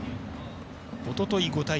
おととい５対１。